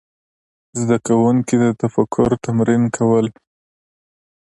زده کوونکي د تفکر تمرین کول.